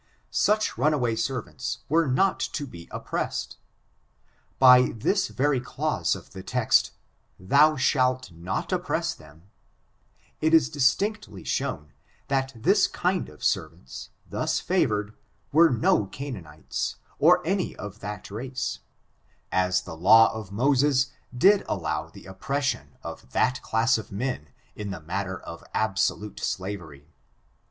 Such nmaway servants were not to be oppressed. By this very clause of the text, ^^thou shalt not oppress him," it is distinctly shown, that this kind of servants, thus favored, were no Canaanites, or any of that race, as the law of Moses did allow of the oppression of that class of men in the matter of absolute slavery.